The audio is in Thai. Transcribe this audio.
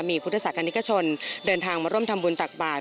มีพุทธศาสนิกชนเดินทางมาร่วมทำบุญตักบาท